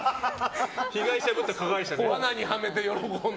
被害者ぶった加害者。